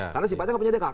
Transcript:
karena simpatnya tidak punya